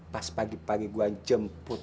pas pagi pagi gue jemput